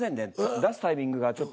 出すタイミングがちょっと。